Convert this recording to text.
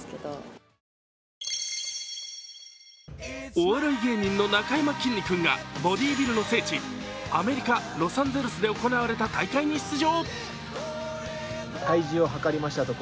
お笑い芸人のなかやまきんに君がボディービルの聖地アメリカ・ロサンゼルスで行われた大会に出場。